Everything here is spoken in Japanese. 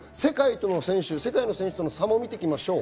世界の選手との差も見ていきましょう。